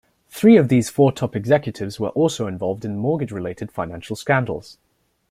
Three of these four top executives were also involved in mortgage-related financial scandals.